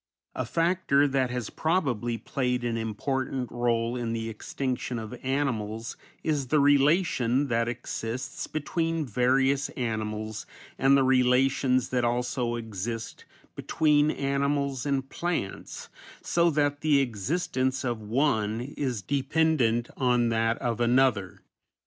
A factor that has probably played an important rôle in the extinction of animals is the relation that exists between various animals, and the relations that also exist between animals and plants, so that the existence of one is dependent on that of another.